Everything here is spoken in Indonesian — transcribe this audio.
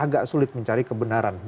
agak sulit mencari kebenaran